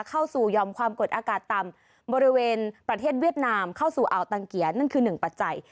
เข้าสู่ยอมความกดอากาศต่ำบริเวณประเทศเวียดนามเข้าสู่อ่าวตังเกียร์นั่นคือหนึ่งปัจจัย